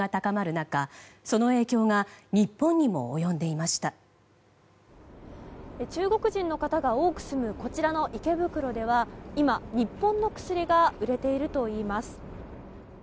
中国人の方が多く住む池袋では今、日本の薬が売れているといいます。